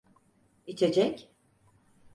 İçecek?